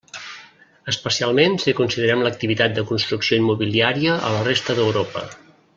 Especialment si considerem l'activitat de construcció immobiliària a la resta d'Europa.